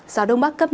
gió đông bắc cấp năm